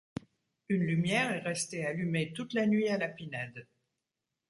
Une lumière est restée allumée toute la nuit à la Pinède.